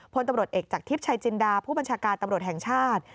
พลตำรวจเอกจากทิพย์ชัยจินดาผู้บัญชาการตำรวจแห่งชาติ